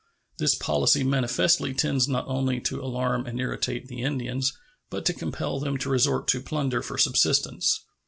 This policy manifestly tends not only to alarm and irritate the Indians, but to compel them to resort to plunder for subsistence.